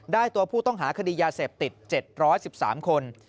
ตัวผู้ต้องหาคดียาเสพติด๗๑๓คน